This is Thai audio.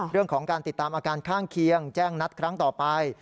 เรื่องของการติดตามอาการข้างเคียงแจ้งนัดครั้งต่อไป